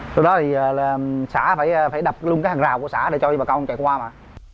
từ đó thì xã phải đập luôn cái hàng rào của xã để cho bà con chạy qua mà